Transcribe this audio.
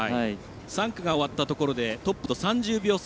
３区が終わったところでトップと３０秒差。